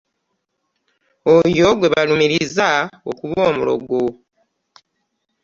Oyo gwe balumiriza okuba omulogo.